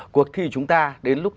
cuộc thi chúng ta đến lúc